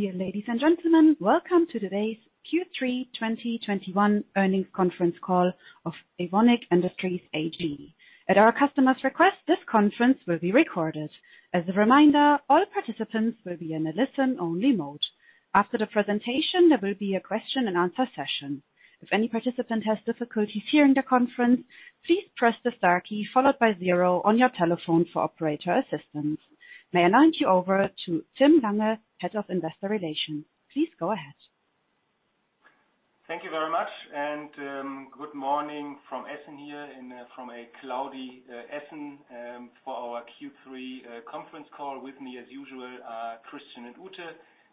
Dear ladies and gentlemen, welcome to today's Q3 2021 earnings conference call of Evonik Industries AG. At our customer's request, this conference will be recorded. As a reminder, all participants will be in a listen-only mode. After the presentation, there will be a question and answer session. If any participant has difficulties hearing the conference, please press the star key followed by zero on your telephone for operator assistance. May I hand you over to Tim Lange, Head of Investor Relations. Please go ahead. Thank you very much. Good morning from Essen here and from a cloudy Essen for our Q3 conference call. With me as usual are Christian and Ute,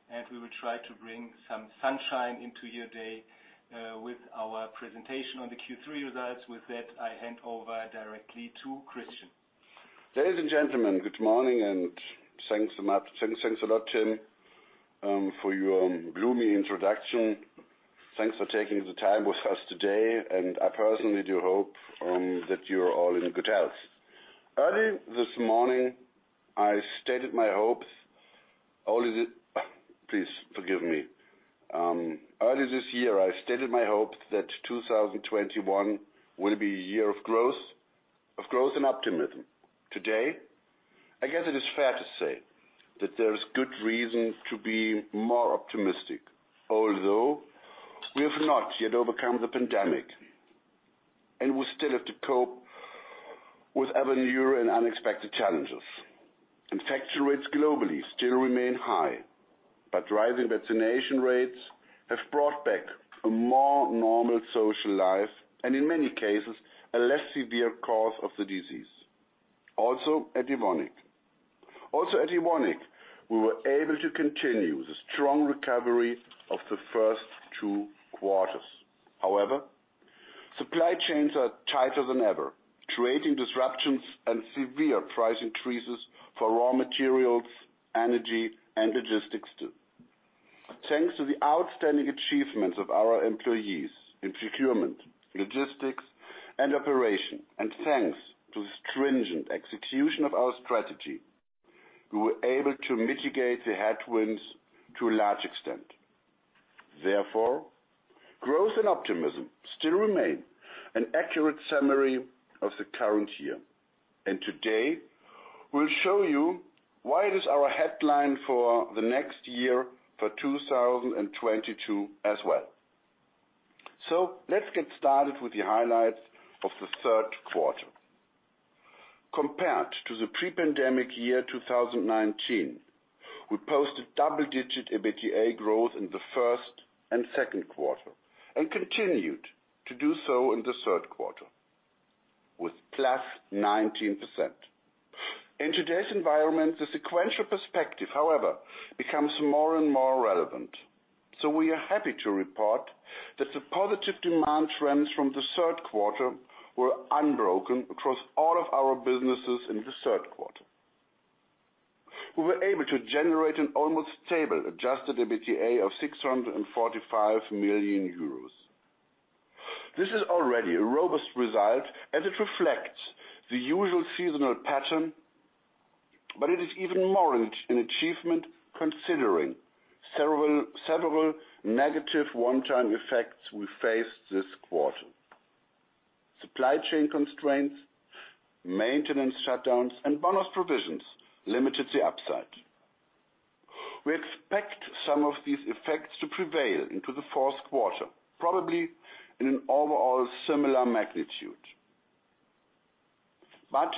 and we will try to bring some sunshine into your day with our presentation on the Q3 results. With that, I hand over directly to Christian. Ladies and gentlemen, good morning and thanks a lot, Tim, for your gloomy introduction. Thanks for taking the time with us today, and I personally do hope that you're all in good health. Early this year, I stated my hopes that 2021 will be a year of growth and optimism. Today, I guess it is fair to say that there is good reason to be more optimistic, although we have not yet overcome the pandemic, and we still have to cope with ever newer and unexpected challenges. Infection rates globally still remain high, but rising vaccination rates have brought back a more normal social life, and in many cases, a less severe course of the disease. Also at Evonik. Also at Evonik, we were able to continue the strong recovery of the first two quarters. However, supply chains are tighter than ever, creating disruptions and severe price increases for raw materials, energy, and logistics too. Thanks to the outstanding achievements of our employees in procurement, logistics, and operation, and thanks to the stringent execution of our strategy, we were able to mitigate the headwinds to a large extent. Therefore, growth and optimism still remain an accurate summary of the current year. Today, we'll show you why it is our headline for the next year for 2022 as well. Let's get started with the highlights of the third quarter. Compared to the pre-pandemic year, 2019, we posted double-digit EBITDA growth in the first and second quarter and continued to do so in the third quarter with +19%. In today's environment, the sequential perspective, however, becomes more and more relevant. We are happy to report that the positive demand trends from the third quarter were unbroken across all of our businesses in the third quarter. We were able to generate an almost stable adjusted EBITDA of 645 million euros. This is already a robust result, and it reflects the usual seasonal pattern, but it is even more an achievement considering several negative one-time effects we faced this quarter. Supply chain constraints, maintenance shutdowns, and bonus provisions limited the upside. We expect some of these effects to prevail into the fourth quarter, probably in an overall similar magnitude.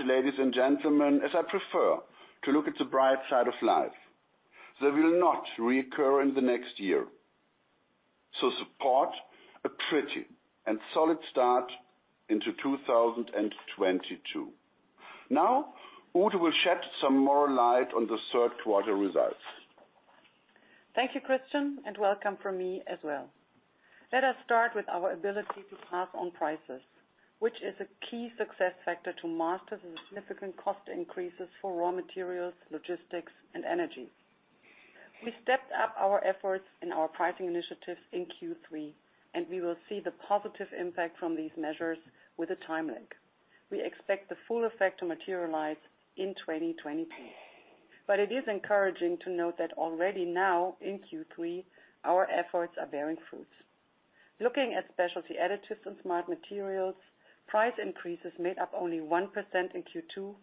Ladies and gentlemen, as I prefer to look at the bright side of life, they will not reoccur in the next year. This supports a pretty solid start into 2022. Now, Ute will shed some more light on the third quarter results. Thank you, Christian, and welcome from me as well. Let us start with our ability to pass on prices, which is a key success factor to master the significant cost increases for raw materials, logistics, and energy. We stepped up our efforts in our pricing initiatives in Q3, and we will see the positive impact from these measures with a time lag. We expect the full effect to materialize in 2022. It is encouraging to note that already now in Q3, our efforts are bearing fruits. Looking at Specialty Additives and Smart Materials, price increases made up only 1% in Q2.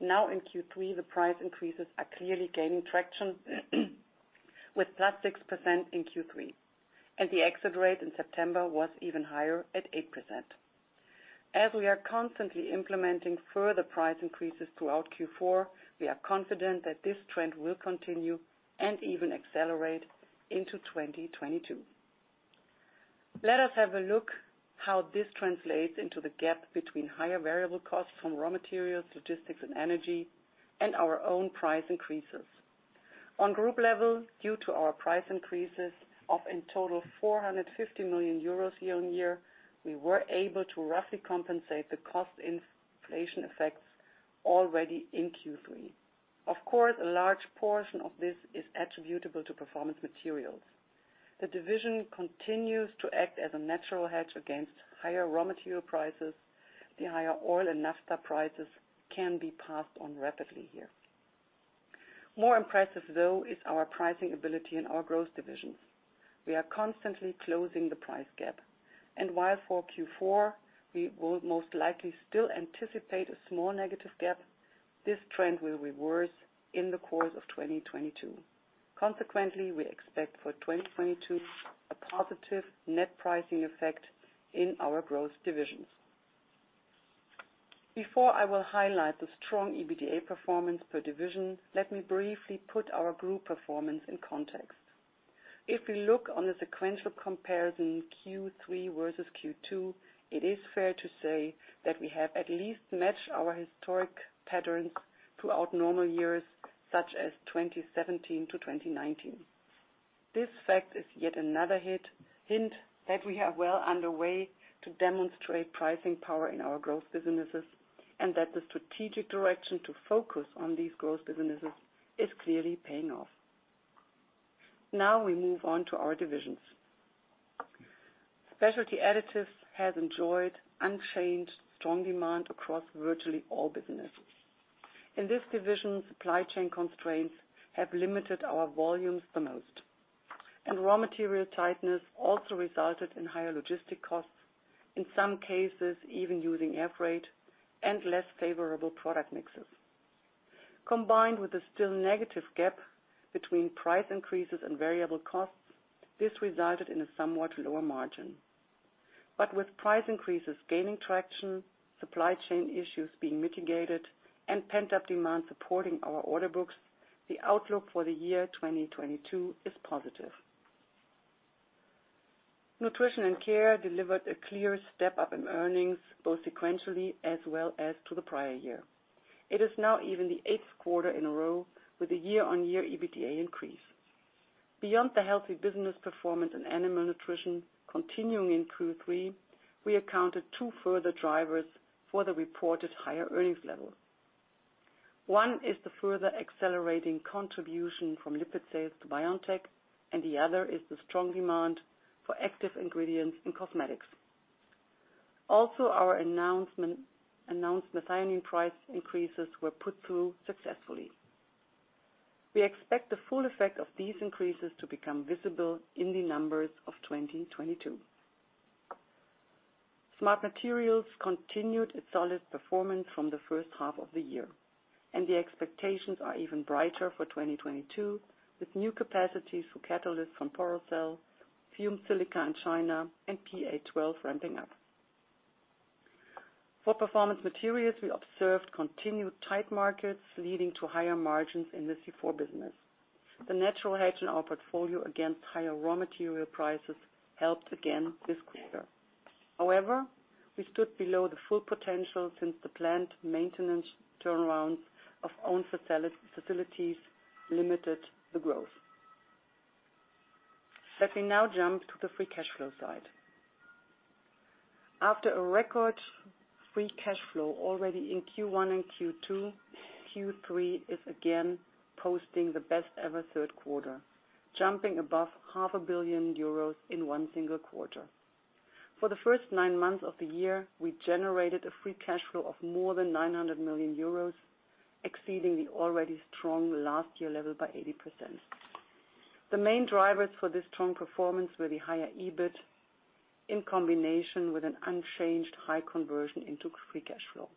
Now in Q3, the price increases are clearly gaining traction with +6% in Q3, and the exit rate in September was even higher at 8%. As we are constantly implementing further price increases throughout Q4, we are confident that this trend will continue and even accelerate into 2022. Let us have a look how this translates into the gap between higher variable costs from raw materials, logistics, and energy, and our own price increases. On group level, due to our price increases of in total 450 million euros year-on-year, we were able to roughly compensate the cost inflation effects already in Q3. Of course, a large portion of this is attributable to Performance Materials. The division continues to act as a natural hedge against higher raw material prices. The higher oil and naphtha prices can be passed on rapidly here. More impressive though is our pricing ability in our growth divisions. We are constantly closing the price gap. While for Q4, we will most likely still anticipate a small negative gap, this trend will reverse in the course of 2022. Consequently, we expect for 2022, a positive net pricing effect in our growth divisions. Before I will highlight the strong EBITDA performance per division, let me briefly put our group performance in context. If we look on the sequential comparison, Q3 versus Q2, it is fair to say that we have at least matched our historic patterns throughout normal years, such as 2017 to 2019. This fact is yet another hint that we are well underway to demonstrate pricing power in our growth businesses, and that the strategic direction to focus on these growth businesses is clearly paying off. Now we move on to our divisions. Specialty Additives has enjoyed unchanged, strong demand across virtually all businesses. In this division, supply chain constraints have limited our volumes the most. Raw material tightness also resulted in higher logistics costs, in some cases even using air freight and less favorable product mixes. Combined with a still negative gap between price increases and variable costs, this resulted in a somewhat lower margin. With price increases gaining traction, supply chain issues being mitigated, and pent-up demand supporting our order books, the outlook for the year 2022 is positive. Nutrition & Care delivered a clear step-up in earnings, both sequentially as well as to the prior year. It is now even the eighth quarter in a row with a year-on-year EBITDA increase. Beyond the healthy business performance in animal nutrition continuing in Q3, we accounted two further drivers for the reported higher earnings level. One is the further accelerating contribution from lipid sales to BioNTech, and the other is the strong demand for active ingredients in cosmetics. Also, our announced methionine price increases were put through successfully. We expect the full effect of these increases to become visible in the numbers of 2022. Smart Materials continued its solid performance from the first half of the year, and the expectations are even brighter for 2022, with new capacities for catalysts from Porocel, Fumed Silica in China, and PA-12 ramping up. For Performance Materials, we observed continued tight markets leading to higher margins in the C4 business. The natural hedge in our portfolio against higher raw material prices helped again this quarter. However, we stood below the full potential since the plant maintenance turnaround of own facilities limited the growth. Let me now jump to the free cash flow side. After a record free cash flow already in Q1 and Q2, Q3 is again posting the best ever third quarter, jumping above 0.5 billion euros in one single quarter. For the first nine months of the year, we generated a free cash flow of more than 900 million euros, exceeding the already strong last year level by 80%. The main drivers for this strong performance were the higher EBIT in combination with an unchanged high conversion into free cash flow.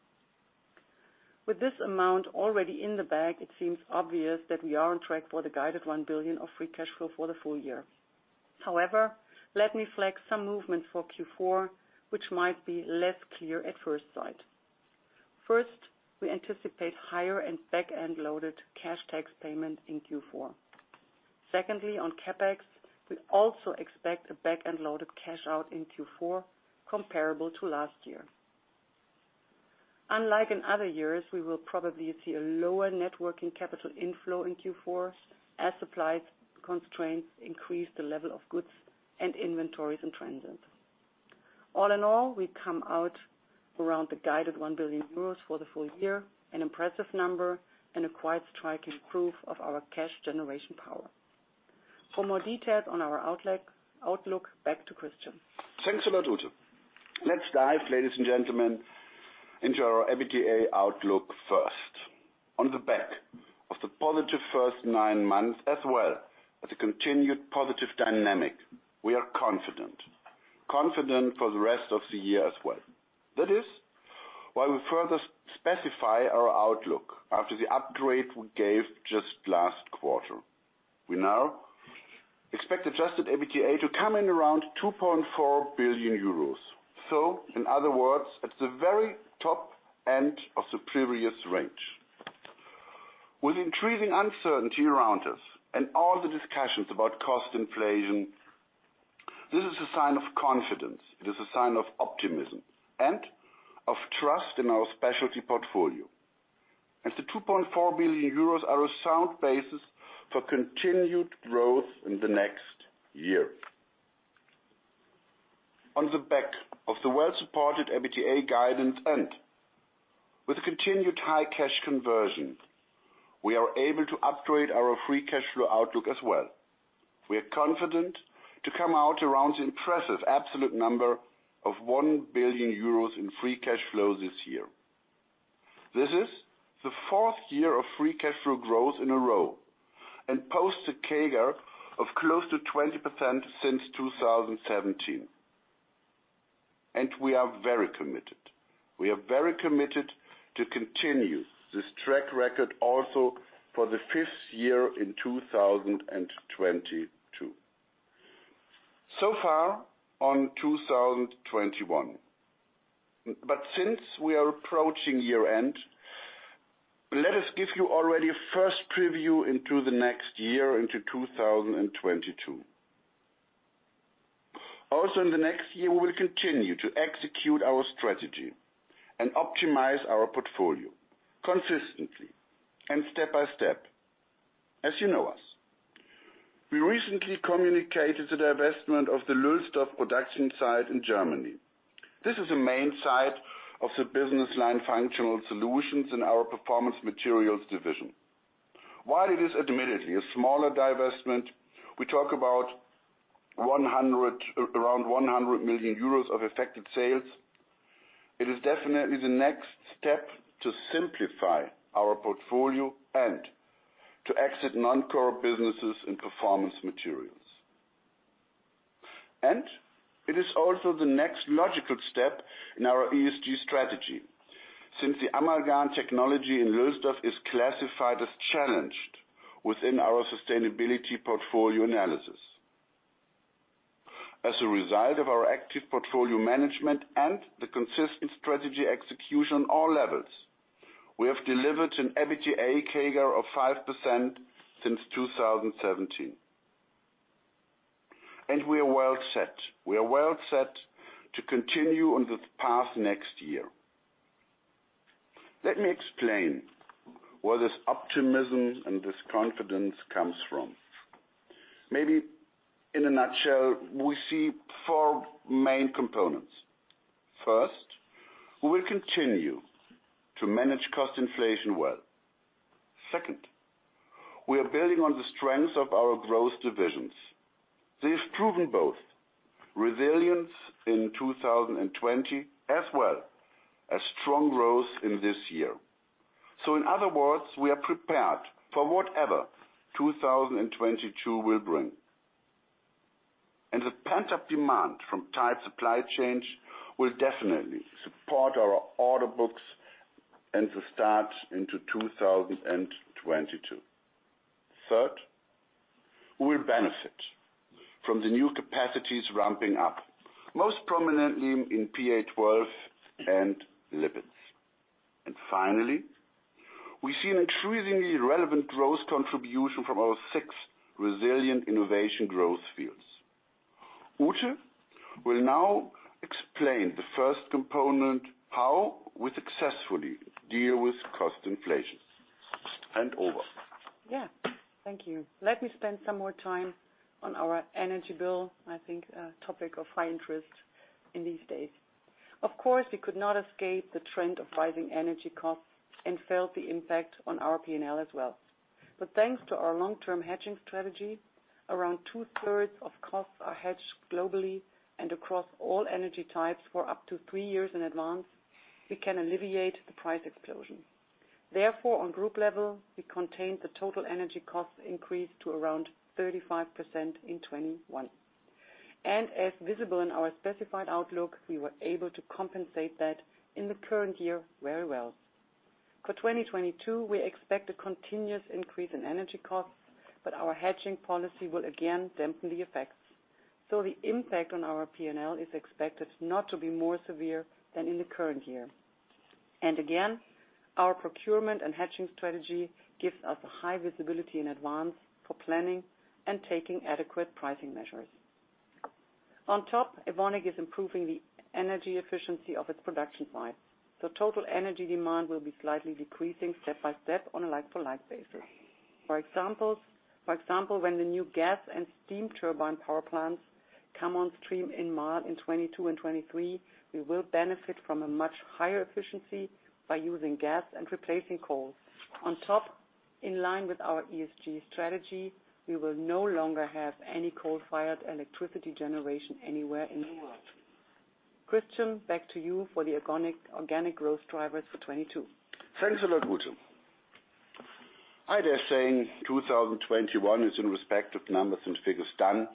With this amount already in the bag, it seems obvious that we are on track for the guided 1 billion of free cash flow for the full year. However, let me flag some movement for Q4, which might be less clear at first sight. First, we anticipate higher and back-end loaded cash tax payment in Q4. Secondly, on CapEx, we also expect a back-end loaded cash out in Q4 comparable to last year. Unlike in other years, we will probably see a lower net working capital inflow in Q4 as supply constraints increase the level of goods and inventories in transit. All in all, we come out around the guided 1 billion euros for the full year, an impressive number and a quite striking proof of our cash generation power. For more details on our outlook, back to Christian. Thanks a lot, Ute. Let's dive, ladies and gentlemen, into our EBITDA outlook first. On the back of the positive first nine months, as well as a continued positive dynamic, we are confident. Confident for the rest of the year as well. That is why we further specify our outlook after the upgrade we gave just last quarter. We now expect adjusted EBITDA to come in around 2.4 billion euros. So in other words, at the very top end of superior range. With increasing uncertainty around us and all the discussions about cost inflation, this is a sign of confidence. It is a sign of optimism and of trust in our specialty portfolio. The 2.4 billion euros are a sound basis for continued growth in the next year. On the back of the well-supported EBITDA guidance and with continued high cash conversion, we are able to upgrade our free cash flow outlook as well. We are confident to come out around the impressive absolute number of 1 billion euros in free cash flow this year. This is the fourth year of free cash flow growth in a row, and boasts a CAGR of close to 20% since 2017. We are very committed to continue this track record also for the fifth year in 2022. So far in 2021. Since we are approaching year-end, let us give you already a first preview into the next year, 2022. In the next year, we will continue to execute our strategy and optimize our portfolio consistently and step by step, as you know us. We recently communicated the divestment of the Lülsdorf production site in Germany. This is the main site of the business line Functional Solutions in our Performance Materials division. While it is admittedly a smaller divestment, we talk about around 100 million euros of affected sales. It is definitely the next step to simplify our portfolio and to exit non-core businesses and Performance Materials. It is also the next logical step in our ESG strategy. Since the amalgam technology in Lülsdorf is classified as challenged within our sustainability portfolio analysis. As a result of our active portfolio management and the consistent strategy execution on all levels, we have delivered an EBITDA CAGR of 5% since 2017. We are well set. We are well set to continue on this path next year. Let me explain where this optimism and this confidence comes from. Maybe in a nutshell, we see four main components. First, we will continue to manage cost inflation well. Second, we are building on the strengths of our growth divisions. They've proven both resilience in 2020 as well as strong growth in this year. In other words, we are prepared for whatever 2022 will bring. The pent-up demand from tight supply chains will definitely support our order books and to start into 2022. Third, we will benefit from the new capacities ramping up, most prominently in PA-12 and lipids. Finally, we see an increasingly relevant growth contribution from our six resilient innovation growth fields. Ute will now explain the first component, how we successfully deal with cost inflation. Hand over. Yeah. Thank you. Let me spend some more time on our energy bill. I think a topic of high interest these days. Of course, we could not escape the trend of rising energy costs and felt the impact on our P&L as well. Thanks to our long-term hedging strategy, around 2/3 of costs are hedged globally and across all energy types for up to three years in advance. We can alleviate the price explosion. Therefore, on group level, we contained the total energy cost increase to around 35% in 2021. As visible in our specified outlook, we were able to compensate that in the current year very well. For 2022, we expect a continuous increase in energy costs, but our hedging policy will again dampen the effects. The impact on our P&L is expected not to be more severe than in the current year. Again, our procurement and hedging strategy gives us a high visibility in advance for planning and taking adequate pricing measures. On top, Evonik is improving the energy efficiency of its production sites. Total energy demand will be slightly decreasing step by step on a like-for-like basis. For example, when the new gas and steam turbine power plants come on stream in March in 2022 and 2023, we will benefit from a much higher efficiency by using gas and replacing coal. On top, in line with our ESG strategy, we will no longer have any coal-fired electricity generation anywhere in the world. Christian, back to you for the organic growth drivers for 2022. Thanks a lot, Ute. I dare saying 2021 is in respect of numbers and figures done,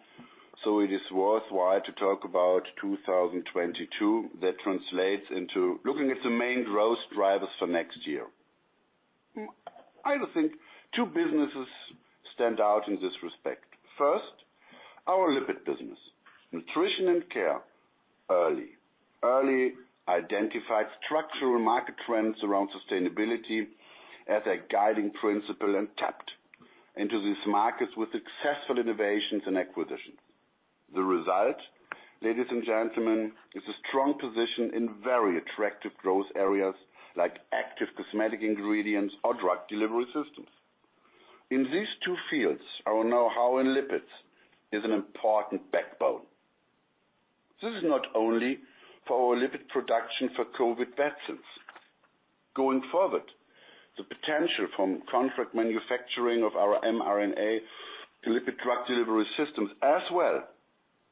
so it is worthwhile to talk about 2022. That translates into looking at the main growth drivers for next year. I think two businesses stand out in this respect. First, our lipid business. Nutrition & Care early identified structural market trends around sustainability as a guiding principle and tapped into these markets with successful innovations and acquisitions. The result, ladies and gentlemen, is a strong position in very attractive growth areas like active cosmetic ingredients or drug delivery systems. In these two fields, our know-how in lipids is an important backbone. This is not only for our lipid production for COVID vaccines. Going further, the potential from contract manufacturing of our mRNA to lipid drug delivery systems, as well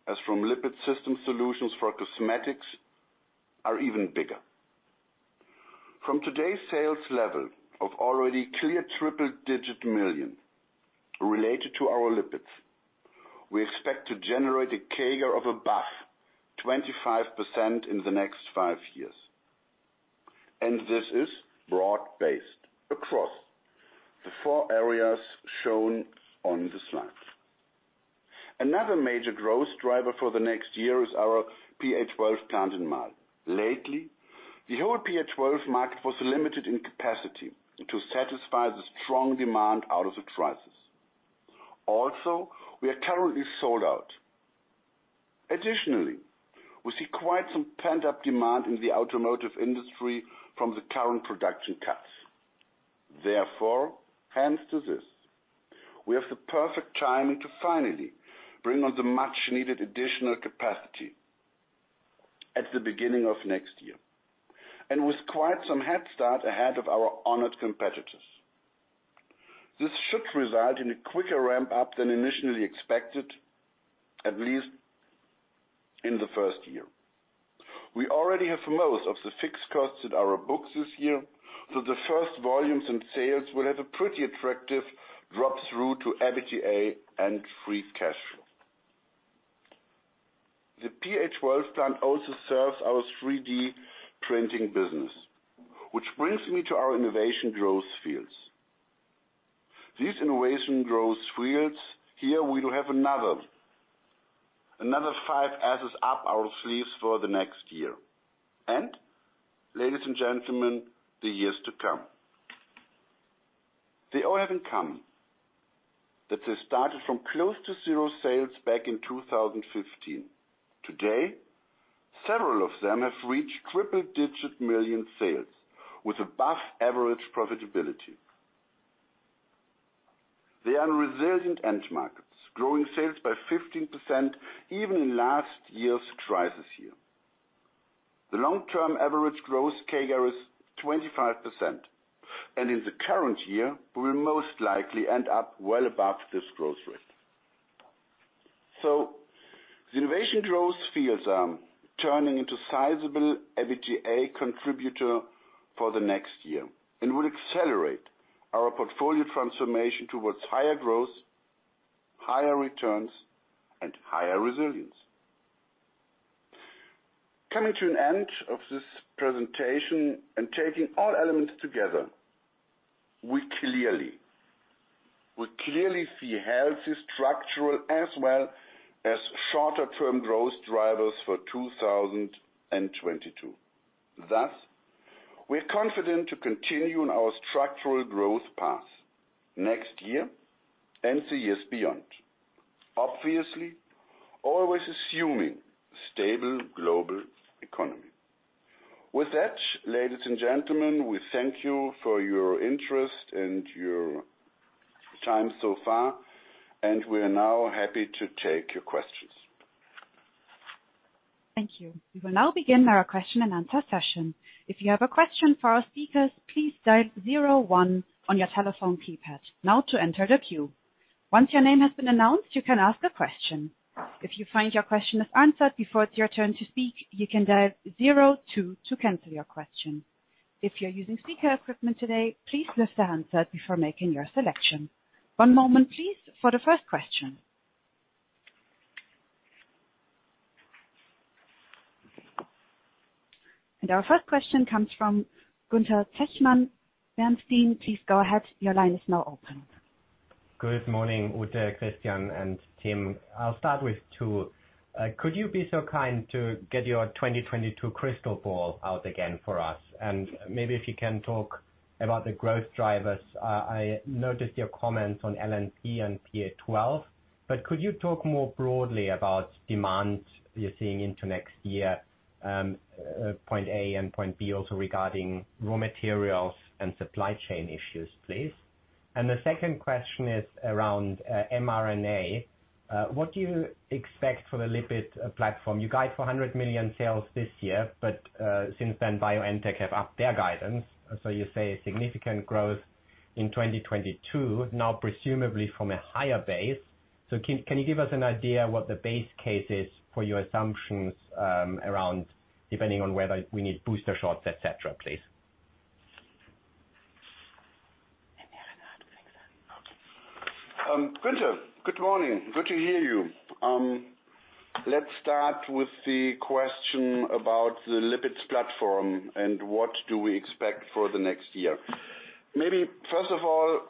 as from lipid system solutions for cosmetics are even bigger. From today's sales level of already clear triple-digit million related to our lipids, we expect to generate a CAGR of above 25% in the next five years. This is broad-based across the four areas shown on the slide. Another major growth driver for the next year is our PA-12 plant in Marl. Lately, the whole PA-12 market was limited in capacity to satisfy the strong demand out of the crisis. Also, we are currently sold out. Additionally, we see quite some pent-up demand in the automotive industry from the current production cuts. Therefore, hence to this, we have the perfect timing to finally bring on the much-needed additional capacity at the beginning of next year, and with quite some head start ahead of our honored competitors. This should result in a quicker ramp-up than initially expected, at least in the first year. We already have most of the fixed costs in our books this year, so the first volumes in sales will have a pretty attractive drop through to EBITDA and free cash flow. The PA-12 plant also serves our 3D printing business, which brings me to our innovation growth fields. These innovation growth fields, here we do have another five aces up our sleeves for the next year. Ladies and gentlemen, the years to come. They all have in common that they started from close to zero sales back in 2015. Today, several of them have reached triple-digit million sales with above-average profitability. They are in resilient end markets, growing sales by 15% even in last year's crisis year. The long-term average growth CAGR is 25%, and in the current year, we will most likely end up well above this growth rate. The innovation growth fields are turning into sizable EBITDA contributor for the next year and will accelerate our portfolio transformation towards higher growth, higher returns, and higher resilience. Coming to an end of this presentation and taking all elements together, we clearly see healthy structural as well as shorter-term growth drivers for 2022. Thus, we're confident to continue on our structural growth path next year and the years beyond. Obviously, always assuming stable global economy. With that, ladies and gentlemen, we thank you for your interest and your time so far, and we are now happy to take your questions. Thank you. We will now begin our question-and-answer session. If you have a question for our speakers, please dial zero one on your telephone keypad now to enter the queue. Once your name has been announced, you can ask a question. If you find your question is answered before it's your turn to speak, you can dial zero two to cancel your question. If you're using speaker equipment today, please lift the handset before making your selection. One moment, please, for the first question. Our first question comes from Gunther Zechmann, Bernstein. Please go ahead. Your line is now open. Good morning, Ute, Christian, and Tim. I'll start with two. Could you be so kind to get your 2022 crystal ball out again for us? Maybe if you can talk about the growth drivers. I noticed your comments on LNP and PA-12, but could you talk more broadly about demand you're seeing into next year, point A and point B, also regarding raw materials and supply chain issues, please? The second question is around mRNA. What do you expect for the lipid platform? You guide for 100 million sales this year, but since then, BioNTech have upped their guidance. You say significant growth in 2022, now presumably from a higher base. Can you give us an idea what the base case is for your assumptions around depending on whether we need booster shots, et cetera, please? Gunther, good morning. Good to hear you. Let's start with the question about the lipids platform and what do we expect for the next year. Maybe first of all,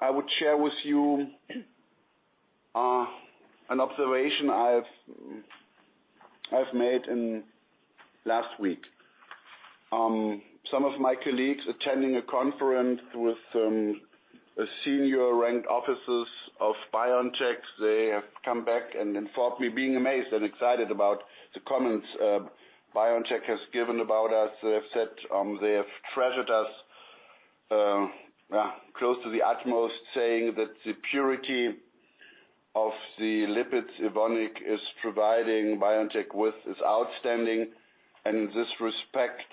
I would share with you an observation I've made in last week. Some of my colleagues attending a conference with senior ranked officers of BioNTech, they have come back and informed me, being amazed and excited about the comments BioNTech has given about us. They have said they have treasured us close to the utmost, saying that the purity of the lipids Evonik is providing BioNTech with is outstanding. In this respect,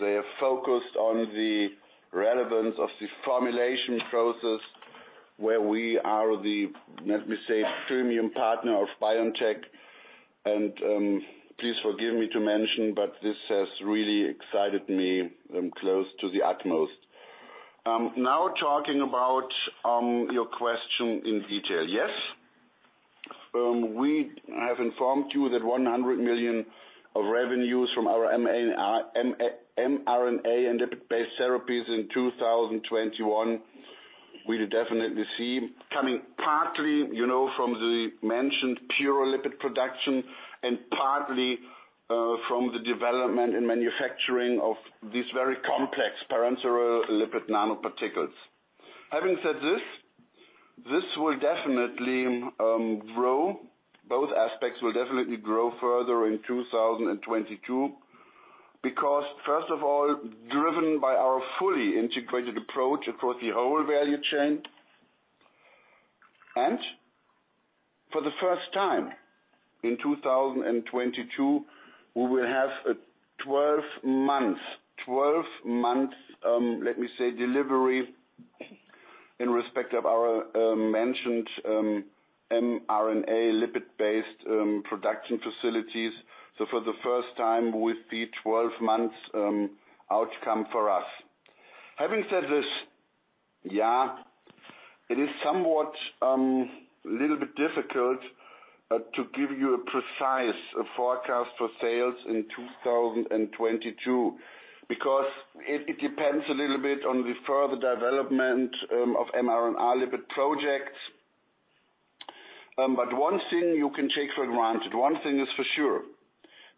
they have focused on the relevance of the formulation process where we are the, let me say, premium partner of BioNTech. Please forgive me to mention, but this has really excited me close to the utmost. Now talking about your question in detail. Yes, we have informed you that 100 million of revenues from our mRNA and lipid-based therapies in 2021, we definitely see coming partly, you know, from the mentioned pure lipid production and partly from the development and manufacturing of these very complex parenteral lipid nanoparticles. Having said this will definitely grow. Both aspects will definitely grow further in 2022, because first of all, driven by our fully integrated approach across the whole value chain. For the first time in 2022, we will have a 12-month delivery in respect of our mentioned mRNA lipid-based production facilities. For the first time will be 12 months outcome for us. Having said this, yeah, it is somewhat a little bit difficult to give you a precise forecast for sales in 2022, because it depends a little bit on the further development of mRNA lipid projects. One thing you can take for granted, one thing is for sure,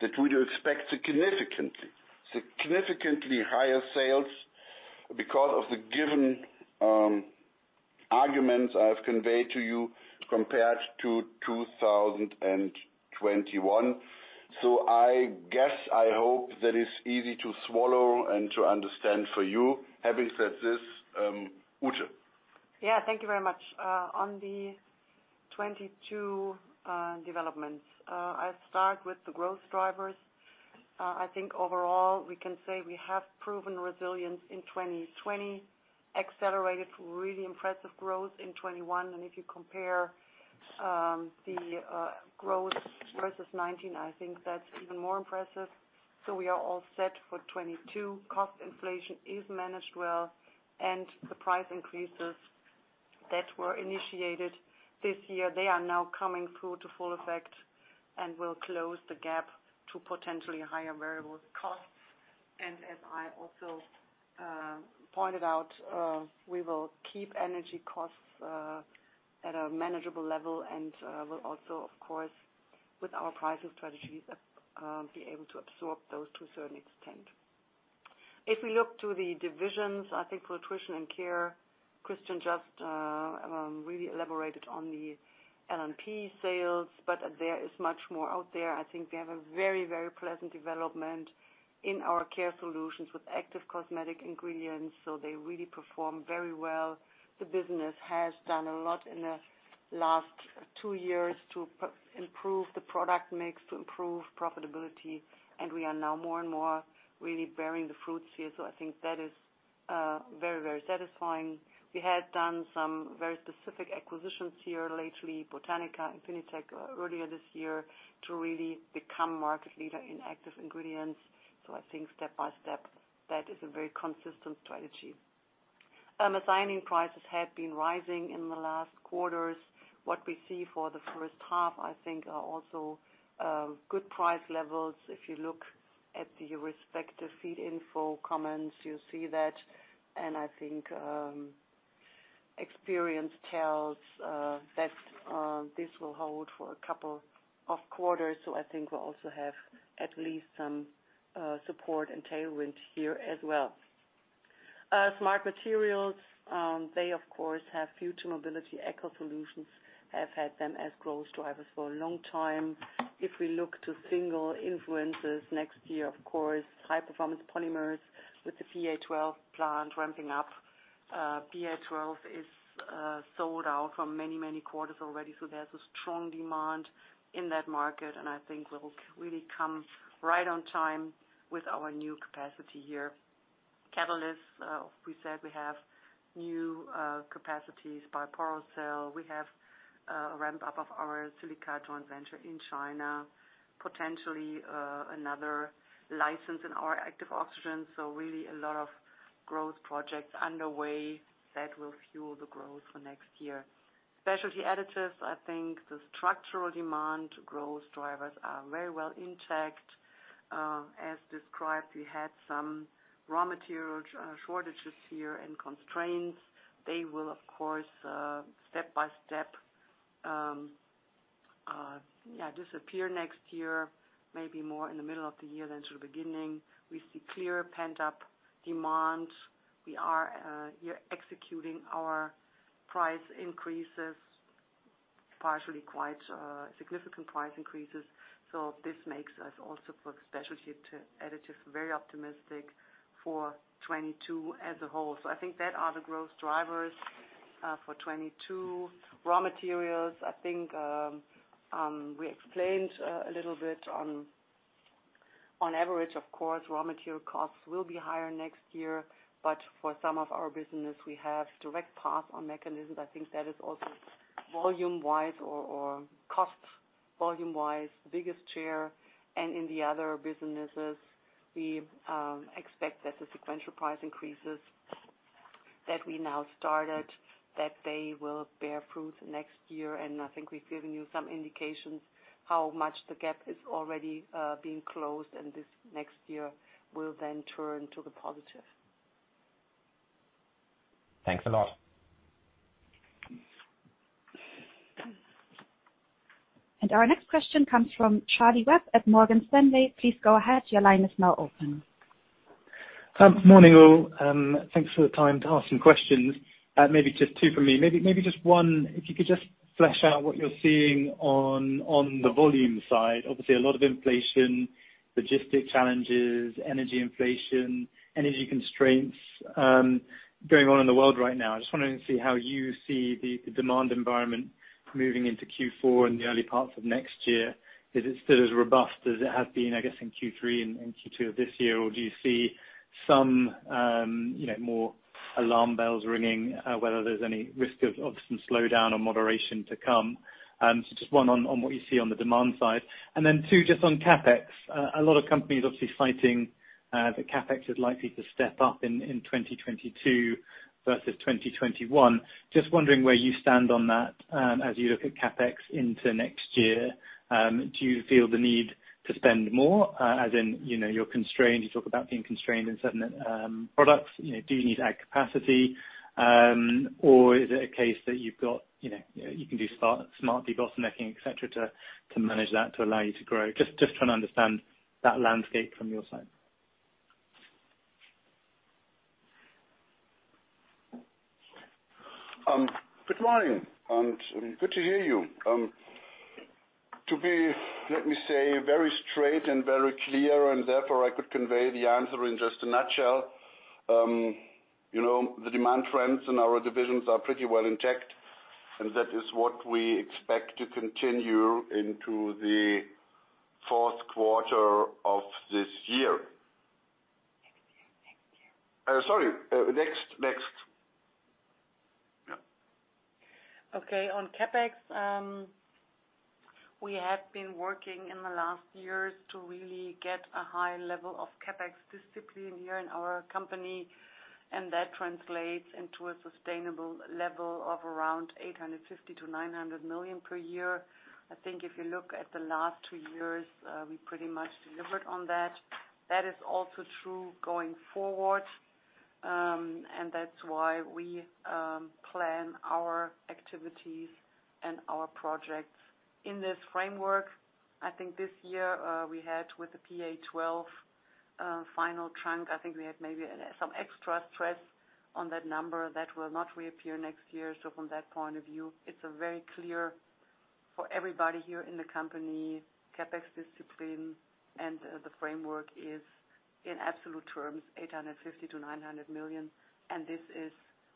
that we do expect significantly higher sales because of the given arguments I've conveyed to you compared to 2021. I guess, I hope that is easy to swallow and to understand for you. Having said this, Ute. Yeah, thank you very much. On the 2022 developments, I'll start with the growth drivers. I think overall we can say we have proven resilience in 2020, accelerated really impressive growth in 2021. If you compare the growth versus 2019, I think that's even more impressive. We are all set for 2022. Cost inflation is managed well, and the price increases that were initiated this year, they are now coming through to full effect and will close the gap to potentially higher variable costs. As I also pointed out, we will keep energy costs at a manageable level and will also, of course, with our pricing strategies, be able to absorb those to a certain extent. If we look to the divisions, I think Nutrition & Care, Christian just really elaborated on the LNP sales, but there is much more out there. I think we have a very, very pleasant development in our Care Solutions with active cosmetic ingredients, so they really perform very well. The business has done a lot in the last two years to improve the product mix, to improve profitability, and we are now more and more really bearing the fruits here. So I think that is very, very satisfying. We had done some very specific acquisitions here lately, Botanica, Infinitec earlier this year, to really become market leader in active ingredients. So I think step by step, that is a very consistent strategy. Selling prices have been rising in the last quarters. What we see for the first half, I think are also good price levels. If you look at the respective Feedinfo comments, you see that. I think experience tells that this will hold for a couple of quarters. I think we'll also have at least some support and tailwind here as well. Smart Materials, they of course have Future Mobility. Eco Solutions have had them as growth drivers for a long time. If we look to single influences next year, of course, High Performance Polymers with the PA-12 plant ramping up. PA-12 is sold out for many quarters already. There's a strong demand in that market, and I think we'll really come right on time with our new capacity here. Catalysts, we said we have new capacities by Porocel. We have a ramp up of our silica plant in China, potentially another license in our Active Oxygens. Really a lot of growth projects underway that will fuel the growth for next year. Specialty Additives, I think the structural demand growth drivers are very well intact. As described, we had some raw material shortages here and constraints. They will, of course, step by step, disappear next year, maybe more in the middle of the year than sort of beginning. We see clear pent-up demand. We are executing our price increases. Partially quite significant price increases. This makes us also for Specialty Additives, very optimistic for 2022 as a whole. I think that are the growth drivers for 2022. Raw materials, I think, we explained a little bit on average, of course, raw material costs will be higher next year, but for some of our business, we have direct pass-through mechanisms. I think that is also volume-wise or cost volume-wise, the biggest share. In the other businesses, we expect that the sequential price increases that we now started, that they will bear fruit next year. I think we've given you some indications how much the gap is already being closed, and this next year will then turn to the positive. Thanks a lot. Our next question comes from Charlie Webb at Morgan Stanley. Please go ahead. Your line is now open. Morning all. Thanks for the time to ask some questions. Maybe just two for me. Maybe just one. If you could just flesh out what you're seeing on the volume side. Obviously, a lot of inflation, logistic challenges, energy inflation, energy constraints going on in the world right now. I'm just wondering to see how you see the demand environment moving into Q4 and the early parts of next year. Is it still as robust as it has been, I guess, in Q3 and in Q2 of this year? Or do you see some, you know, more alarm bells ringing, whether there's any risk of some slowdown or moderation to come? Just one on what you see on the demand side. Two, just on CapEx. A lot of companies obviously citing that CapEx is likely to step up in 2022 versus 2021. Just wondering where you stand on that, as you look at CapEx into next year. Do you feel the need to spend more, as in, you know, you're constrained, you talk about being constrained in certain products. You know, do you need to add capacity? Or is it a case that you've got, you know, you can do smart debottlenecking, et cetera, to manage that, to allow you to grow? Just trying to understand that landscape from your side. Good morning, and good to hear you. To be, let me say, very straight and very clear, and therefore I could convey the answer in just a nutshell. You know, the demand trends in our divisions are pretty well intact, and that is what we expect to continue into the fourth quarter of this year. Sorry. Next. Yeah. Okay. On CapEx, we have been working in the last years to really get a high level of CapEx discipline here in our company, and that translates into a sustainable level of around 850 million-900 million per year. I think if you look at the last two years, we pretty much delivered on that. That is also true going forward, and that's why we plan our activities and our projects in this framework. I think this year, we had with the PA-12 final tranche, I think we had maybe some extra stress on that number that will not reappear next year. From that point of view, it's a very clear for everybody here in the company, CapEx discipline and the framework is in absolute terms 850 million-900 million, and this is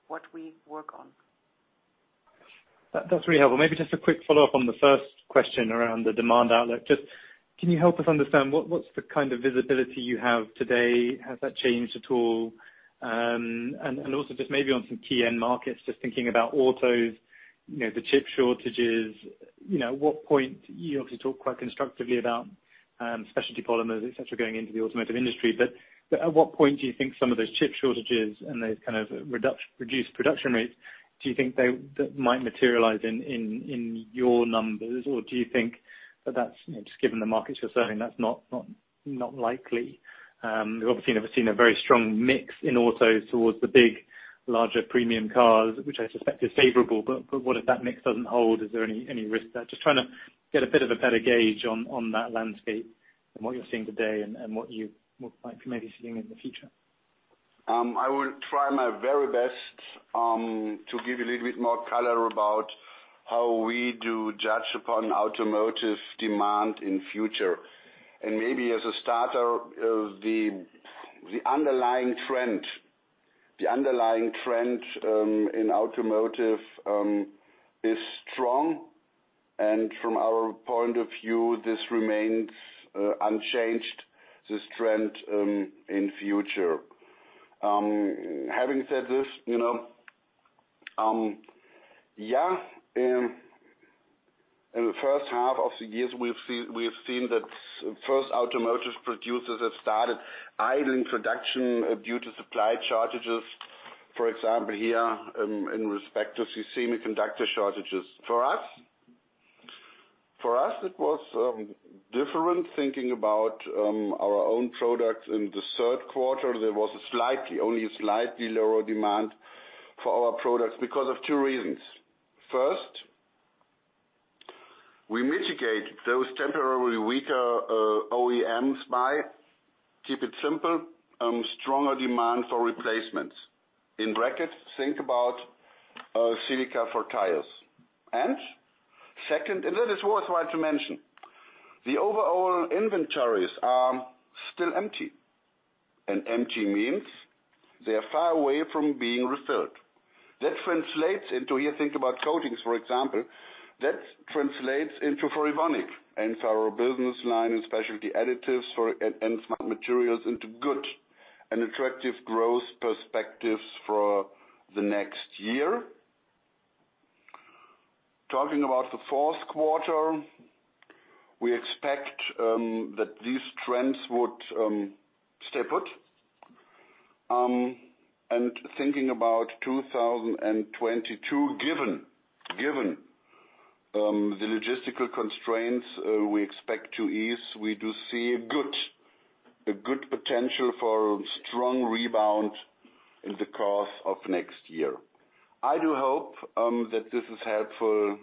what we work on. That's really helpful. Maybe just a quick follow-up on the first question around the demand outlet. Just can you help us understand what's the kind of visibility you have today? Has that changed at all? And also just maybe on some key end markets, just thinking about autos, you know, the chip shortages. You know, at what point you obviously talk quite constructively about specialty polymers, et cetera, going into the automotive industry. But at what point do you think some of those chip shortages and those kind of reduced production rates do you think they might materialize in your numbers? Or do you think that's, you know, just given the markets you're selling, that's not likely? We obviously have seen a very strong mix in autos towards the big, larger premium cars, which I suspect is favorable. What if that mix doesn't hold? Is there any risk there? Just trying to get a bit of a better gauge on that landscape and what you're seeing today and what you might be maybe seeing in the future. I will try my very best to give you a little bit more color about how we do judge upon automotive demand in future. Maybe as a starter, the underlying trend in automotive is strong. From our point of view, this remains unchanged, this trend in future. Having said this, you know, yeah, in the first half of the years, we've seen that first automotive producers have started idling production due to supply shortages. For example, here, in respect to semiconductor shortages. For us, it was different thinking about our own products. In the third quarter, there was only a slightly lower demand for our products because of two reasons. First, we mitigate those temporarily weaker OEMs by keeping it simple, stronger demand for replacements. In brackets, think about silica for tires. Second, that is worthwhile to mention, the overall inventories are still empty. Empty means they are far away from being refilled. That translates into, here think about coatings, for example. That translates into for Evonik and for our business line in Specialty Additives and Smart Materials into good and attractive growth perspectives for the next year. Talking about the fourth quarter, we expect that these trends would stay put. Thinking about 2022, given the logistical constraints, we expect to ease, we do see a good potential for strong rebound in the course of next year. I do hope that this is helpful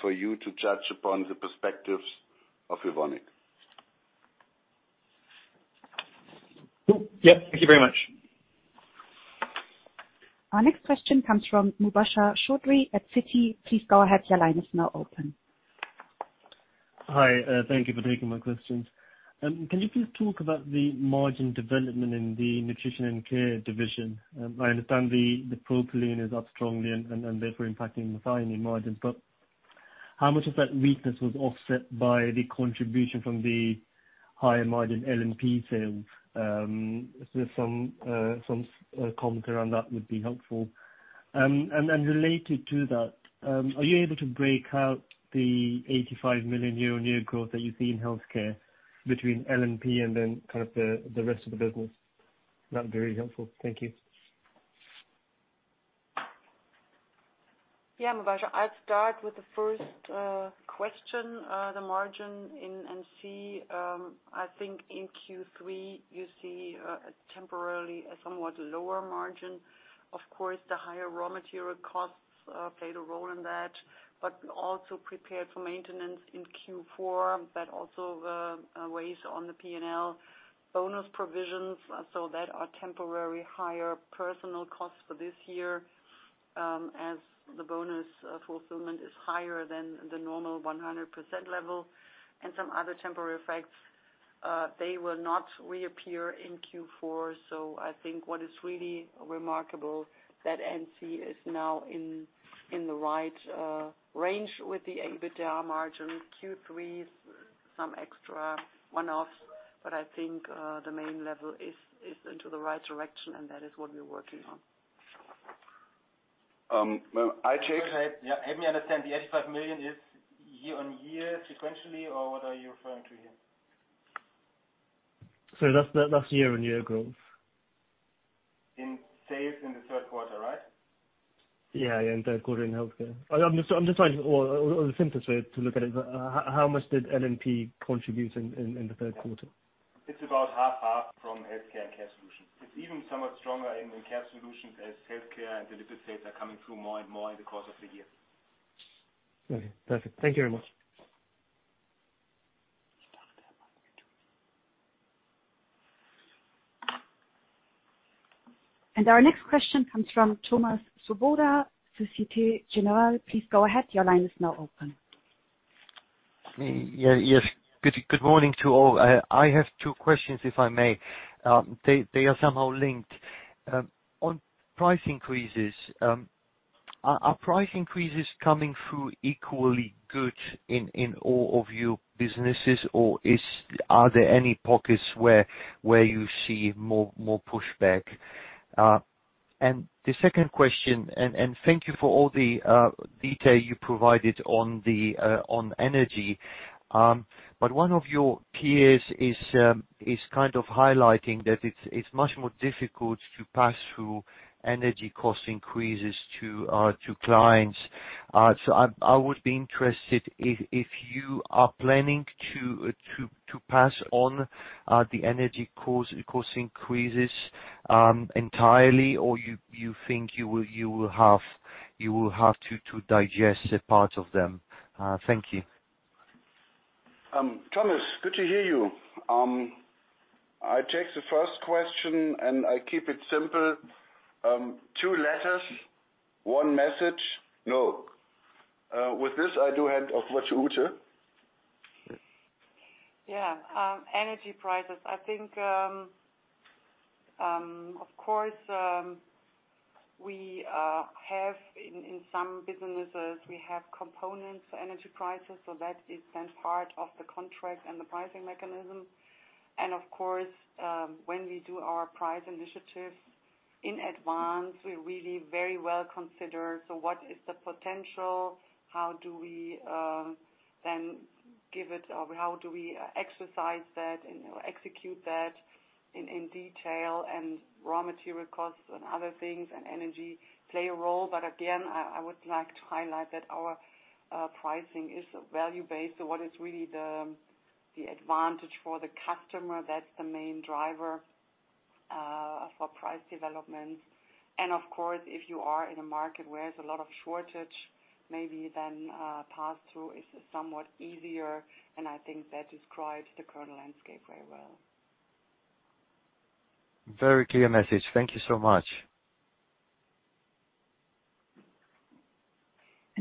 for you to judge upon the perspectives of Evonik. Cool. Yeah. Thank you very much. Our next question comes from Mubasher Chaudhry at Citi. Please go ahead, your line is now open. Hi, thank you for taking my questions. Can you please talk about the margin development in the Nutrition & Care division? I understand the propylene is up strongly and therefore impacting the margin. How much of that weakness was offset by the contribution from the higher margin LNP sales? If some comment around that would be helpful. Related to that, are you able to break out the 85 million euro year-on-year growth that you see in Health Care between LNP and then kind of the rest of the business? That'd be very helpful. Thank you. Yeah, Mubasher, I'll start with the first question, the margin in NC. I think in Q3, you see temporarily a somewhat lower margin. Of course, the higher raw material costs played a role in that, but also prepared for maintenance in Q4, that also weighs on the P&L. Bonus provisions, so that are temporary higher personal costs for this year, as the bonus fulfillment is higher than the normal 100% level, and some other temporary effects, they will not reappear in Q4. I think what is really remarkable that NC is now in the right range with the EBITDA margin. Q3 some extra one-offs, but I think the main level is into the right direction, and that is what we're working on. Well. Help me understand, the 85 million is year-over-year sequentially, or what are you referring to here? That's year-on-year growth. In sales in the third quarter, right? Yeah, yeah. In the third quarter in healthcare, I'm just trying to, or the simplest way to look at it, how much did LNP contribute in the third quarter? It's about half from Health Care and Care Solutions. It's even somewhat stronger in Care Solutions as Health Care and delivered sales are coming through more and more in the course of the year. Okay. Perfect. Thank you very much. Our next question comes from Thomas Swoboda, Société Générale. Please go ahead. Your line is now open. Good morning to all. I have two questions, if I may. They are somehow linked. On price increases, are price increases coming through equally good in all of your businesses, or are there any pockets where you see more pushback? The second question, thank you for all the detail you provided on energy. One of your peers is kind of highlighting that it's much more difficult to pass through energy cost increases to clients. I would be interested if you are planning to pass on the energy cost increases entirely, or you think you will have to digest a part of them. Thank you. Thomas, good to hear you. I take the first question, and I keep it simple. Two letters, one message. No. With this, I do hand over to Ute. Yeah. Energy prices. I think, of course, we have in some businesses components energy prices, so that is then part of the contract and the pricing mechanism. Of course, when we do our price initiatives in advance, we really very well consider, so what is the potential? How do we then give it or how do we exercise that and execute that in detail? Raw material costs and other things and energy play a role. Again, I would like to highlight that our pricing is value-based. What is really the advantage for the customer, that's the main driver. For price developments. Of course, if you are in a market where there's a lot of shortage, maybe then, pass-through is somewhat easier, and I think that describes the current landscape very well. Very clear message. Thank you so much.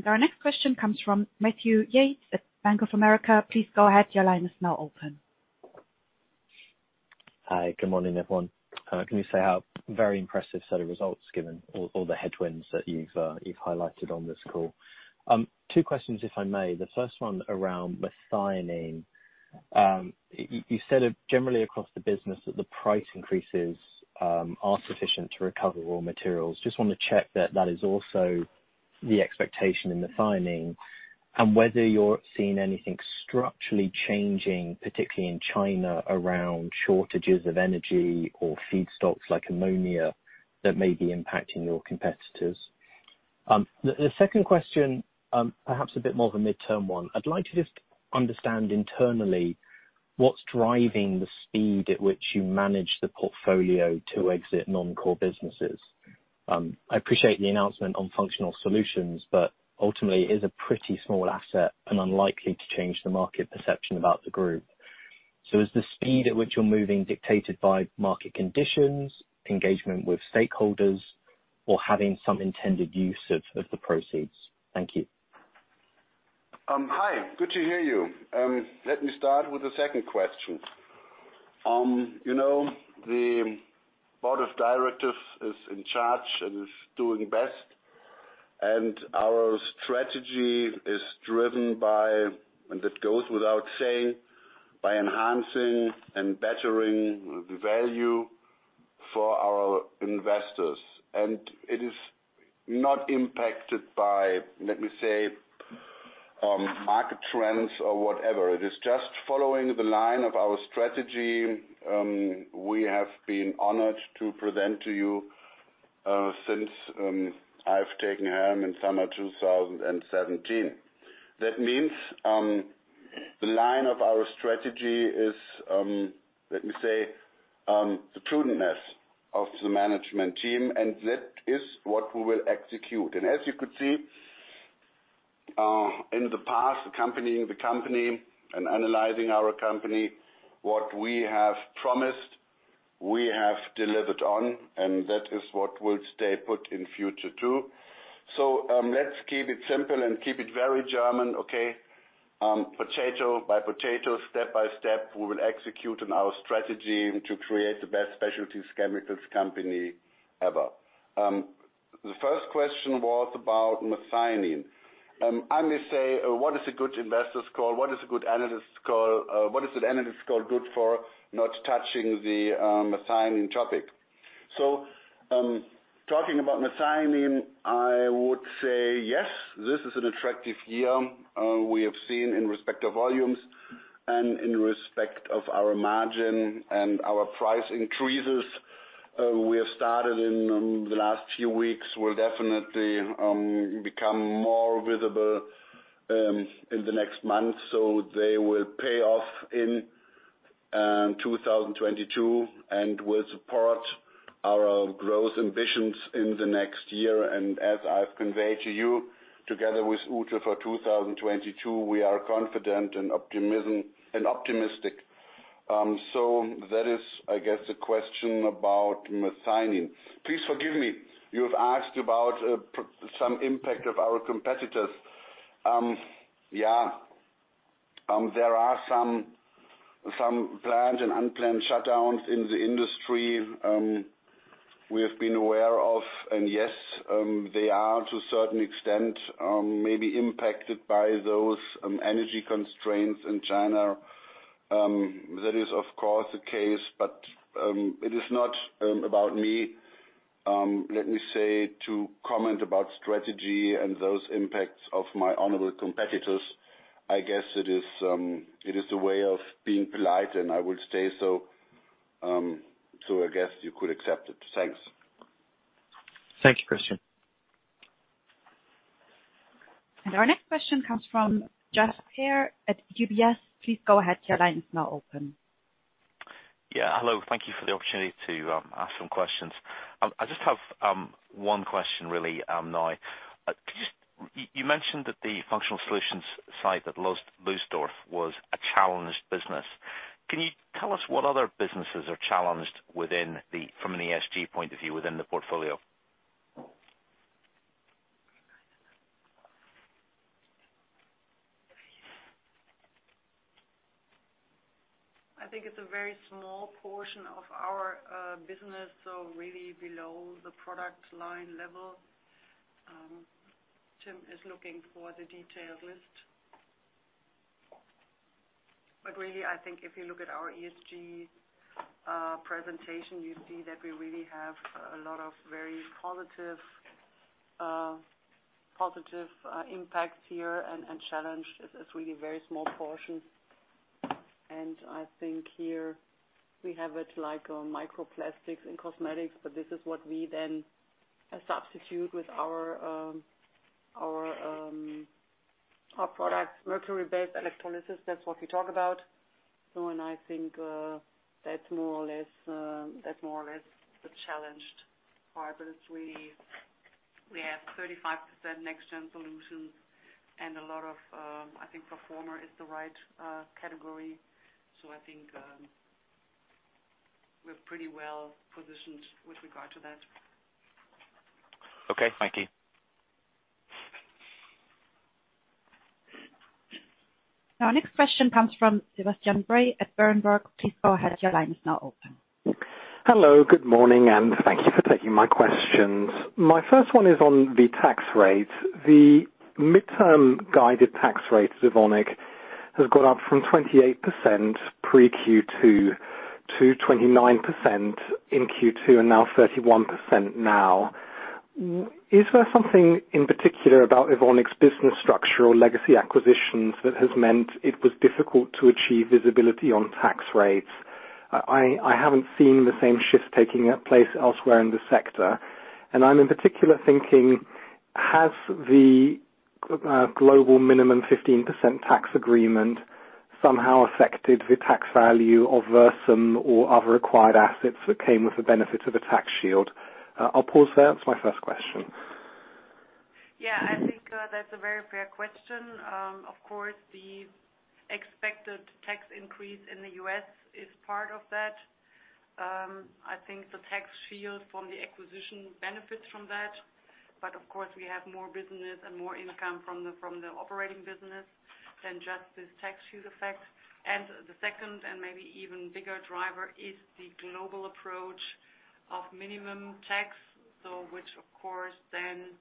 Our next question comes from Matthew Yates at Bank of America. Please go ahead. Your line is now open. Good morning, everyone. Can I say how very impressive set of results, given all the headwinds that you've highlighted on this call. Two questions, if I may. The first one around methionine. You said generally across the business that the price increases are sufficient to recover raw materials. Just wanna check that that is also the expectation in the methionine, and whether you're seeing anything structurally changing, particularly in China, around shortages of energy or feedstocks like ammonia that may be impacting your competitors. The second question, perhaps a bit more of a midterm one. I'd like to just understand internally what's driving the speed at which you manage the portfolio to exit non-core businesses. I appreciate the announcement on Functional Solutions, but ultimately it is a pretty small asset and unlikely to change the market perception about the group. Is the speed at which you're moving dictated by market conditions, engagement with stakeholders, or having some intended use of the proceeds? Thank you. Hi. Good to hear you. Let me start with the second question. You know, the board of directors is in charge and is doing best, and our strategy is driven by, and it goes without saying, by enhancing and bettering the value for our investors. It is not impacted by, let me say, market trends or whatever. It is just following the line of our strategy, we have been honored to present to you, since I've taken helm in summer 2017. That means, the line of our strategy is, let me say, the prudentness of the management team, and that is what we will execute. As you could see in the past, the company and analyzing our company, what we have promised, we have delivered on, and that is what will stay put in future too. Let's keep it simple and keep it very German, okay? Potato by potato, step by step, we will execute on our strategy to create the best specialty chemicals company ever. The first question was about methionine. I may say, what is a good investor's call? What is a good analyst's call? What is an analyst's call good for not touching the methionine topic? Talking about methionine, I would say yes, this is an attractive year. We have seen in respect of volumes and in respect of our margin and our price increases. We have started in the last few weeks, will definitely become more visible in the next month. They will pay off in 2022 and will support our growth ambitions in the next year. As I've conveyed to you, together with Ute for 2022, we are confident and optimistic. That is, I guess, the question about methionine. Please forgive me. You have asked about some impact of our competitors. Yeah, there are some planned and unplanned shutdowns in the industry. We have been aware of. Yes, they are to a certain extent maybe impacted by those energy constraints in China. That is of course the case, but it is not about me, let me say, to comment about strategy and those impacts of my honorable competitors. I guess it is a way of being polite, and I will stay so I guess you could accept it. Thanks. Thank you, Christian. Our next question comes from Geoff Haire at UBS. Please go ahead. Your line is now open. Yeah. Hello. Thank you for the opportunity to ask some questions. I just have one question really now. You mentioned that the Functional Solutions site at Lülsdorf was a challenged business. Can you tell us what other businesses are challenged within the portfolio from an ESG point of view? I think it's a very small portion of our business, so really below the product line level. Tim is looking for the detailed list. Really, I think if you look at our ESG presentation, you see that we really have a lot of very positive impacts here and challenges are really a very small portion. I think here we have it like on microplastics in cosmetics, but this is what we then substitute with our our. Our products, mercury-based electrolysis, that's what we talk about. I think that's more or less the challenged part. We have 35% next-gen solutions and a lot of, I think performer is the right category. I think we're pretty well positioned with regard to that. Okay, thank you. Now, next question comes from Sebastian Bray at Berenberg. Please go ahead. Your line is now open. Hello, good morning, and thank you for taking my questions. My first one is on the tax rate. The midterm guided tax rate at Evonik has gone up from 28% pre-Q2 to 29% in Q2, and now 31% now. Is there something in particular about Evonik's business structure or legacy acquisitions that has meant it was difficult to achieve visibility on tax rates? I haven't seen the same shift taking place elsewhere in the sector, and I'm in particular thinking, has the global minimum 15% tax agreement somehow affected the tax value of Versum or other acquired assets that came with the benefit of a tax shield? I'll pause there. That's my first question. Yeah, I think that's a very fair question. Of course, the expected tax increase in the U.S. is part of that. I think the tax shield from the acquisition benefits from that. Of course, we have more business and more income from the operating business than just this tax shield effect. The second, and maybe even bigger driver is the global approach of minimum tax. Which of course then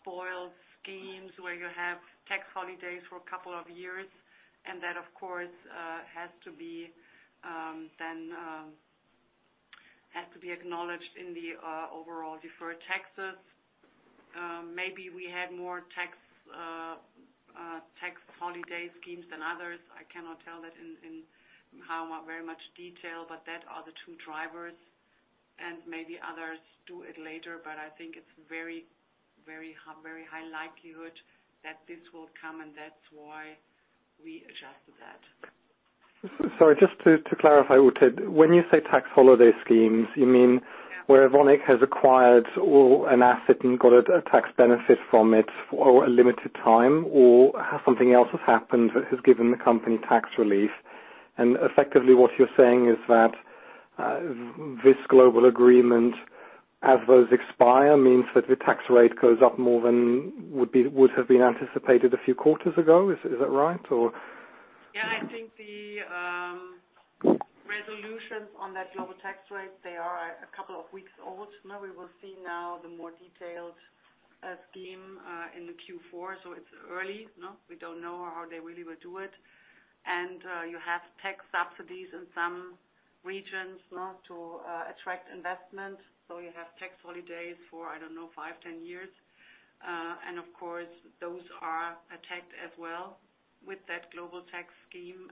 spoils schemes where you have tax holidays for a couple of years, and that of course has to be then acknowledged in the overall deferred taxes. Maybe we had more tax holiday schemes than others. I cannot tell that in how very much detail, but that are the two drivers, and maybe others do it later. I think it's very high likelihood that this will come, and that's why we adjusted that. Sorry, just to clarify, Ute. When you say tax holiday schemes, you mean where Evonik has acquired an asset and got a tax benefit from it for a limited time, or something else has happened that has given the company tax relief. Effectively what you're saying is that this global agreement, as those expire, means that the tax rate goes up more than would have been anticipated a few quarters ago. Is that right or? Yeah, I think the resolutions on that global tax rate, they are a couple of weeks old. We will see the more detailed scheme in Q4. It's early, you know, we don't know how they really will do it. You have tax subsidies in some regions, you know, to attract investment. You have tax holidays for, I don't know, five, 10 years. Of course, those are attacked as well with that global tax scheme.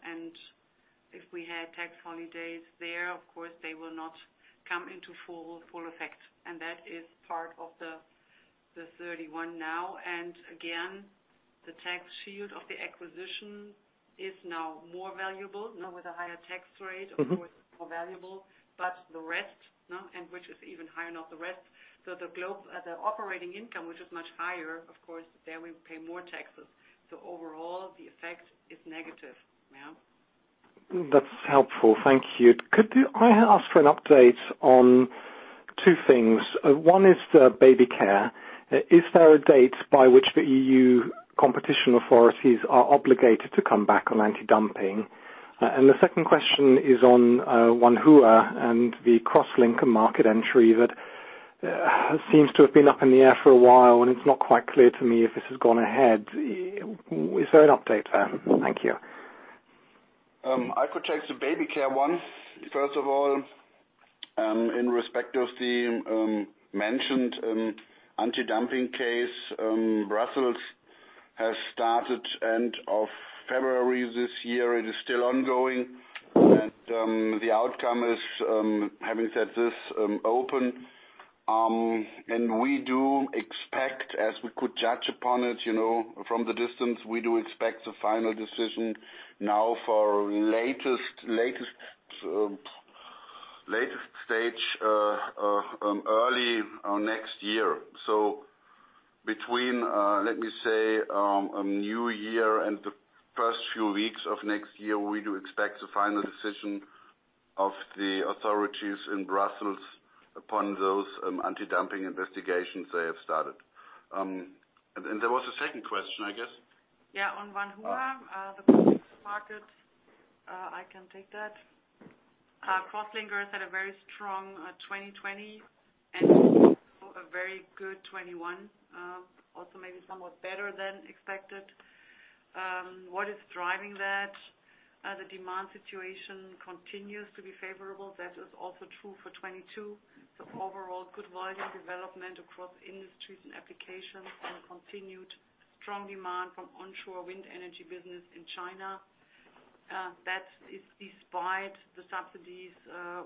If we had tax holidays there, of course, they will not come into full effect. That is part of the 31% now. Again, the tax shield of the acquisition is now more valuable, now with a higher tax rate. Of course, more valuable. The rest, you know, and which is even higher, not the rest. The operating income, which is much higher, of course, there we pay more taxes. Overall, the effect is negative. Yeah. That's helpful. Thank you. Could I ask for an update on two things? One is the baby care. Is there a date by which the EU competition authorities are obligated to come back on anti-dumping? The second question is on, Wanhua and the cross-linker market entry that, seems to have been up in the air for a while, and it's not quite clear to me if this has gone ahead. Is there an update there? Thank you. I could take the baby care one. First of all, in respect of the mentioned anti-dumping case, Brussels has started end of February this year. It is still ongoing. The outcome is, having said this, open, and we do expect, as we could judge upon it, you know, from the distance, we do expect the final decision now for latest stage early next year. Between, let me say, New Year and the first few weeks of next year, we do expect the final decision of the authorities in Brussels upon those anti-dumping investigations they have started. There was a second question, I guess. Yeah, on Wanhua, the market, I can take that. Crosslinkers had a very strong 2020 and a very good 2021, also maybe somewhat better than expected. What is driving that? The demand situation continues to be favorable. That is also true for 2022. Overall good volume development across industries and applications and continued strong demand from onshore wind energy business in China. That is despite the subsidies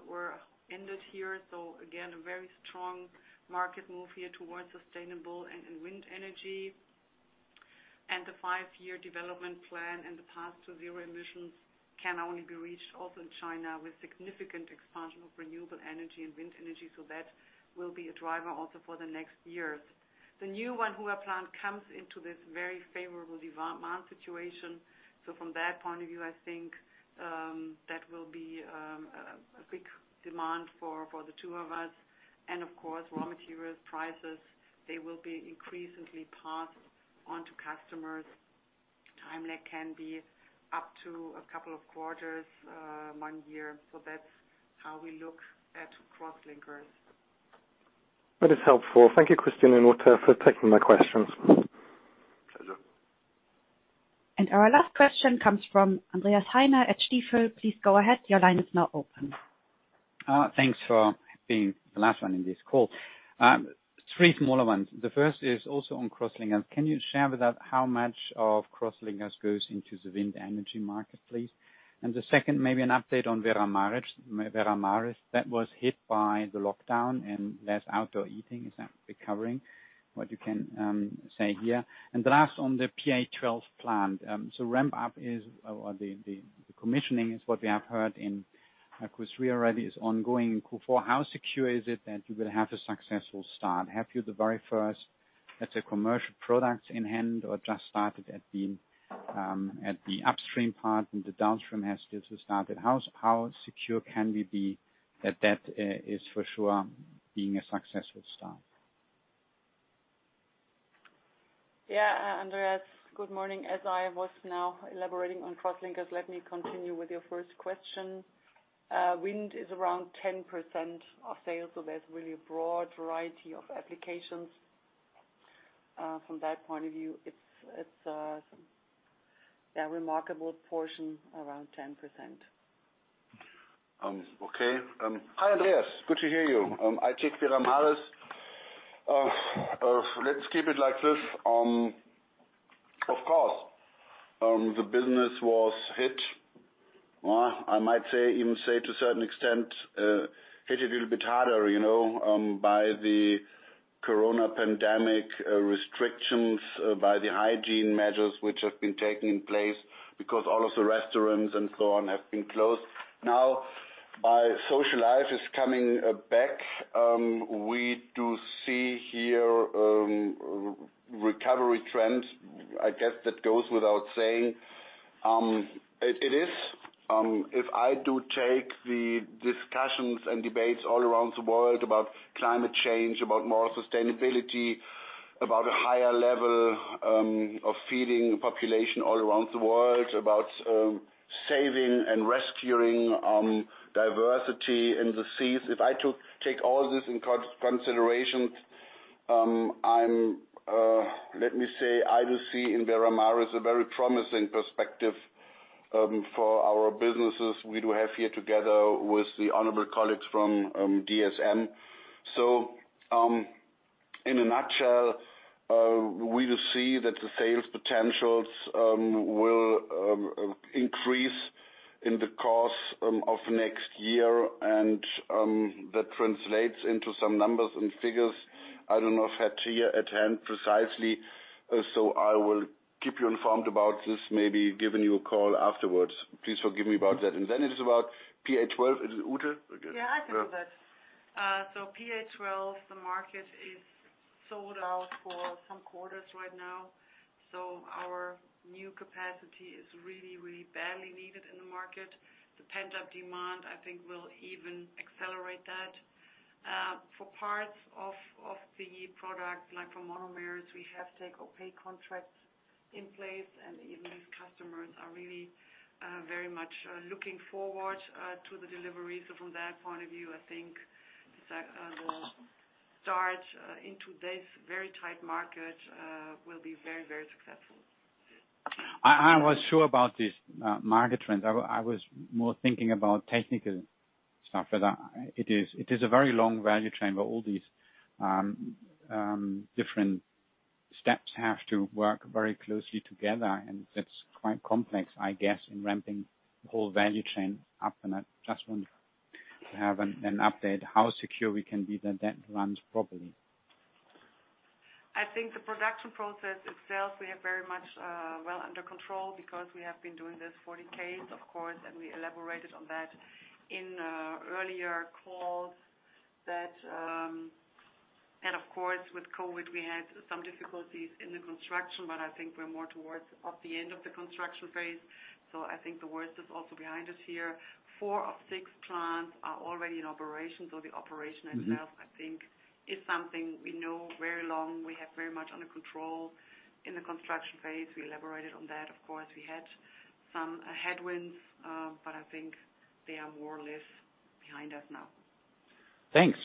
were ended here. Again, a very strong market move here towards sustainable and wind energy. The five-year development plan and the path to zero emissions can only be reached, also in China, with significant expansion of renewable energy and wind energy. That will be a driver also for the next years. The new Wanhua plant comes into this very favorable demand situation. From that point of view, I think that will be a big demand for the two of us. Of course, raw materials prices, they will be increasingly passed on to customers. Time lag can be up to a couple of quarters, one year. That's how we look at crosslinkers. That is helpful. Thank you, Christian and Ute, for taking my questions. Pleasure. Our last question comes from Andreas Heine at Stifel. Please go ahead. Your line is now open. Thanks for being the last one in this call. Three smaller ones. The first is also on crosslinkers. Can you share with us how much of crosslinkers goes into the wind energy market, please? The second, maybe an update on Veramaris that was hit by the lockdown and less outdoor eating. Is that recovering? What you can say here. Last, on the PA-12 plant. So ramp up is or the commissioning is what we have heard in Q3 already is ongoing in Q4. How secure is it that you will have a successful start? Have you the very first, let's say, commercial products in hand or just started at the upstream part and the downstream has yet to start? How secure can we be that that is for sure being a successful start? Andreas, good morning. As I was now elaborating on crosslinkers, let me continue with your first question. Wind is around 10% of sales, so there's really a broad variety of applications. From that point of view, it's a remarkable portion, around 10%. Okay. Hi, Andreas. Good to hear you. I take Veramaris. Let's keep it like this. Of course, the business was hit, well, I might say, even say to a certain extent, hit a little bit harder, you know, by the corona pandemic restrictions, by the hygiene measures which have been taking place because all of the restaurants and so on have been closed. Now, our social life is coming back. We do see here recovery trends. I guess that goes without saying. It is, if I do take the discussions and debates all around the world about climate change, about more sustainability, about a higher level of feeding population all around the world, about saving and rescuing diversity in the seas. If I take all this in consideration, let me say, I will see in Veramaris a very promising perspective, for our businesses we do have here together with the honorable colleagues from DSM. In a nutshell, we do see that the sales potentials will increase in the course of next year. That translates into some numbers and figures. I don't know if I have here at hand precisely, so I will keep you informed about this, maybe giving you a call afterwards. Please forgive me about that. It is about PA-12. Is it Ute, we're good? Yeah, I take that. PA-12, the market is sold out for some quarters right now. Our new capacity is really, really badly needed in the market. The pent-up demand, I think, will even accelerate that. For parts of the product, like for monomers, we have take-or-pay contracts in place, and even these customers are really very much looking forward to the delivery. From that point of view, I think that the start into this very tight market will be very, very successful. I was sure about this market trend. I was more thinking about technical stuff. It is a very long value chain, but all these different steps have to work very closely together, and that's quite complex, I guess, in ramping the whole value chain up. I just want to have an update how secure we can be that that runs properly. I think the production process itself, we have very much well under control because we have been doing this for decades, of course, and we elaborated on that in earlier calls that. Of course, with COVID, we had some difficulties in the construction, but I think we're more towards the end of the construction phase. I think the worst is also behind us here. Four of six plants are already in operation. The operation itself, I think, is something we know very long. We have very much under control. In the construction phase, we elaborated on that. Of course, we had some headwinds, but I think they are more or less behind us now. Thanks.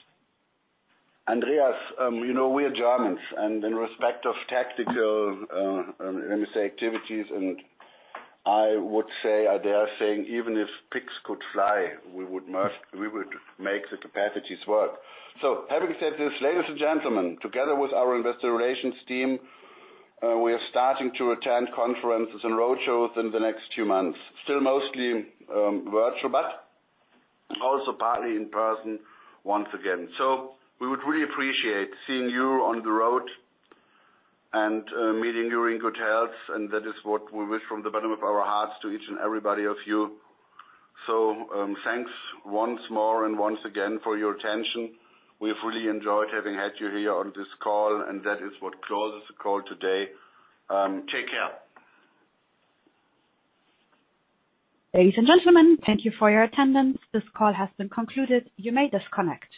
Andreas, you know, we are Germans, and in respect of tactical, let me say, activities, and I would say, I dare saying, even if pigs could fly, we would make the capacities work. Having said this, ladies and gentlemen, together with our investor relations team, we are starting to attend conferences and roadshows in the next two months. Still mostly virtual, but also partly in person once again. We would really appreciate seeing you on the road and, meeting you in good health. That is what we wish from the bottom of our hearts to each and everybody of you. Thanks once more and once again for your attention. We've really enjoyed having had you here on this call, and that is what closes the call today. Take care. Ladies and gentlemen, thank you for your attendance. This call has been concluded. You may disconnect.